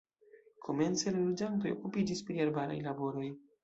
Komence la loĝantoj okupiĝis pri arbaraj laboroj.